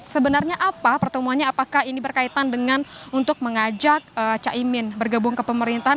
sebenarnya apa pertemuannya apakah ini berkaitan dengan untuk mengajak caimin bergabung ke pemerintahan